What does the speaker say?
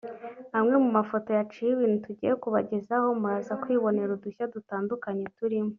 Amwe mu mafoto yaciye ibintu tugiye kubagezaho muraza kwibonera udushya dutandukanye turimo